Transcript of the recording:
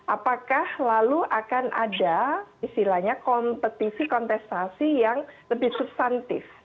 apakah lalu akan ada istilahnya kompetisi kontestasi yang lebih substantif